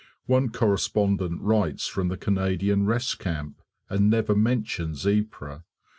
One correspondent writes from the Canadian rest camp, and never mentions Ypres.